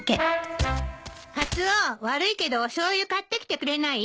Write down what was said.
カツオ悪いけどおしょうゆ買ってきてくれない？